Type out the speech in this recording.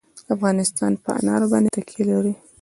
افغانستان په انار باندې تکیه لري.